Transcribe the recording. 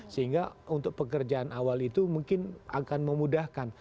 sehingga untuk pekerjaan awal itu mungkin akan memudahkan